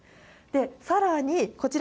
さらに、こちら。